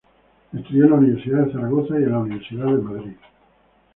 Estudió en la Universidad de Zaragoza y en la Universidad de Madrid.